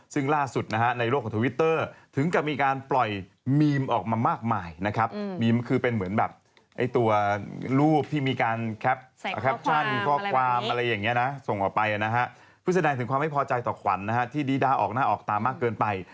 แสดงถึงความไม่พอใจต่อขวานที่ดีดาออกหน้าออกตามากเกินไป